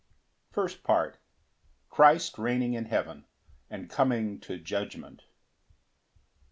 1 5. First Part. Christ reigning in heaven, and coming to judgment.